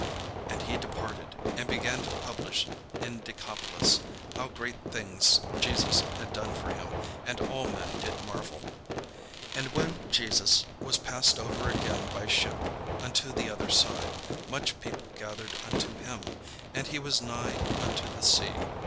And he departed, and began to publish in Decapolis how great things Jesus had done for him: and all men did marvel. And when Jesus was passed over again by ship unto the other side, much people gathered unto him: and he was nigh unto the sea.